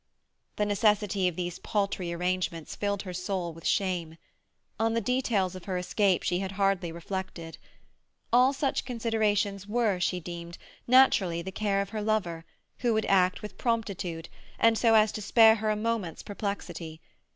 The necessity of these paltry arrangements filled her soul with shame. On the details of her escape she had hardly reflected. All such considerations were, she deemed, naturally the care of her lover, who would act with promptitude, and so as to spare her a moment's perplexity.